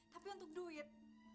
tapi untuk duit